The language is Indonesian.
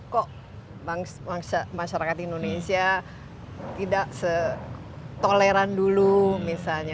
kok masyarakat indonesia tidak setoleran dulu misalnya